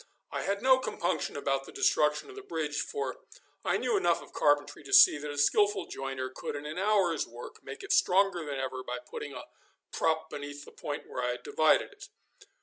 I had no compunction about the destruction of the bridge, for I knew enough of carpentry to see that a skilful joiner could in an hour's work make it stronger than ever by putting a prop beneath the point where I had divided it.